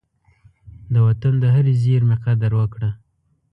د وطن د هرې زېرمي قدر وکړه.